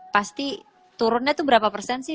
pasti turunnya itu berapa persen sih